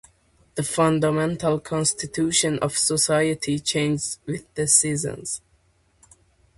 The fundamental constitution of society changes with the seasons.